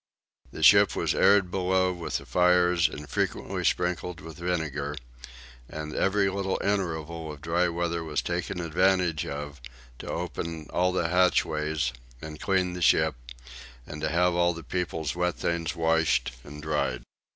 The ship was aired below with fires and frequently sprinkled with vinegar; and every little interval of dry weather was taken advantage of to open all the hatchways, and clean the ship, and to have all the people's wet things washed and dried.